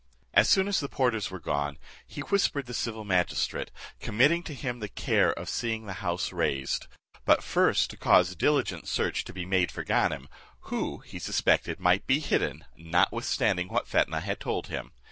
As soon as the porters were gone, he whispered the civil magistrate, committing to him the care of seeing the house razed, but first to cause diligent search to be made for Ganem, who, he suspected, might be hidden, notwithstanding what Fetnah had told him.